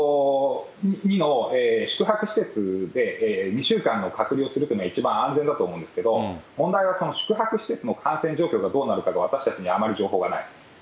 ２の宿泊施設で２週間の隔離をするっていうのが一番安全だと思うんですけど、問題はその宿泊施設の感染状況がどうなるかが私たちにあまり情報がない。